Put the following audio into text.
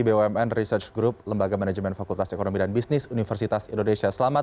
bumn research group lembaga manajemen fakultas ekonomi dan bisnis universitas indonesia selamat